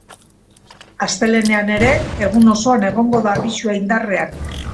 Astelehenean ere egun osoan egongo da abisua indarrean.